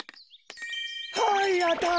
はいあたり！